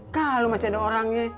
kalo masih ada orangnya